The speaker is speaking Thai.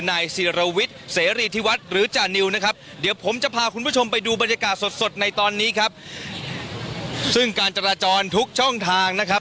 นายศิรวิทย์เสรีที่วัดหรือจานิวนะครับเดี๋ยวผมจะพาคุณผู้ชมไปดูบรรยากาศสดสดในตอนนี้ครับซึ่งการจราจรทุกช่องทางนะครับ